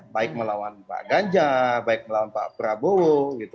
baik melawan pak ganjar baik melawan pak prabowo